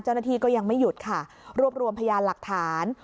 เจ้าหน้าที่ก็ยังไม่หยุดค่ะรวบรวมพยานหลักฐาน